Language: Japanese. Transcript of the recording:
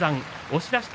押し出し。